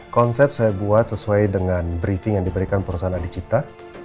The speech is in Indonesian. konsep saya buat sesuai dengan briefing yang diberikan perusahaan adik cita